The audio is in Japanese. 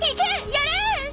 やれ！